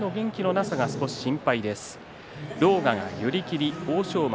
なさが少し心配です。